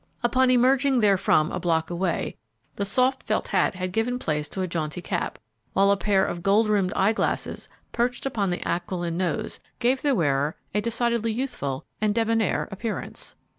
Upon emerging therefrom a block away, the soft felt hat had given place to a jaunty cap, while a pair of gold rimmed eye glasses perched upon the aquiline nose gave the wearer a decidedly youthful and debonnaire appearance.